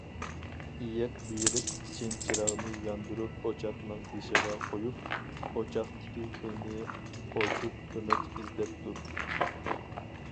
ئېيىق بېرىپ جىنچىراغنى ياندۇرۇپ ئوچاقنىڭ بېشىغا قويۇپ، ئوچاقتىكى كۈلنى قوچۇپ، كۆمەچ ئىزدەپتۇ.